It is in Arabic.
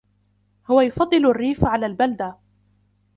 هو يفضل الريف على البلدة.